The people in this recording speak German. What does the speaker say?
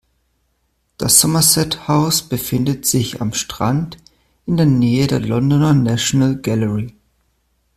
Das Somerset House befindet sich am "Strand" in der Nähe der Londoner National Gallery.